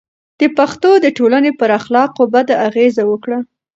دې پېښو د ټولنې پر اخلاقو بده اغېزه وکړه.